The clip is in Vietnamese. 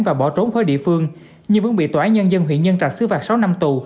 và bỏ trốn khỏi địa phương nhưng vẫn bị tòa án nhân dân huyện nhân trạch xứ phạt sáu năm tù